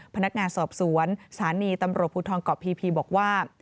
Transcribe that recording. พนักงานสอบสวนสถานีตำรวจภูทรเกาะพีบอกว่า